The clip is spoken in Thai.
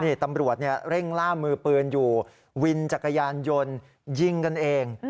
นี่ตำรวจเร่งล่ามือปืนอยู่วินจักรยานยนต์ยิงกันเอง